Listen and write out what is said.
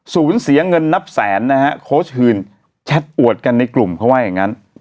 ศูนย์เสียเงินนับแสนนะฮะโค้ชหืนแชทอวดกันในกลุ่มเขาว่าอย่างนั้น